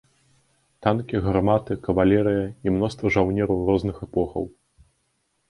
Танкі, гарматы, кавалерыя і мноства жаўнераў розных эпохаў.